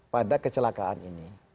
pada kecelakaan ini